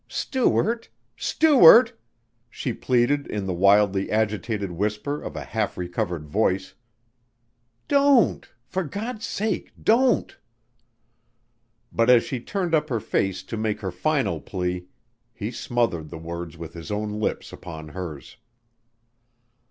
"Stuart ... Stuart...!" she pleaded in the wildly agitated whisper of a half recovered voice. "Don't for God's sake, don't!" But as she turned up her face to make her final plea, he smothered the words with his own lips upon hers.